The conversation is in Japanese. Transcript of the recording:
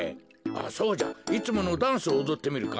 そうじゃいつものダンスをおどってみるか。